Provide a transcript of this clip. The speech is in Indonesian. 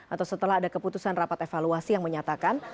atau setelah ada keputusan rapat evaluasi yang menyatakan